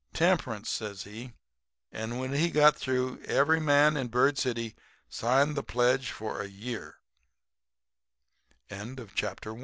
"'Temperance,' says he. 'And when he got through, every man in Bird City signed the pledge for a yea